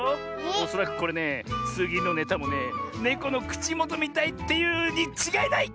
おそらくこれねつぎのネタもねネコのくちもとみたいっていうにちがいない！